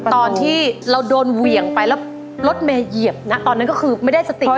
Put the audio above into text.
ตอนที่เราโดนเหวี่ยงไปแล้วรถเมย์เหยียบนะตอนนั้นก็คือไม่ได้สติ